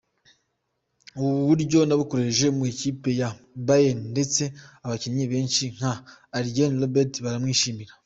Ubu buryo nabukoresheje mu ikipe ya Bayern ndetse abakinnyi benshi nka Arjen Robben barabwishimira.